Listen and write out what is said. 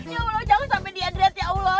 ya allah jangan sampai dia dread ya allah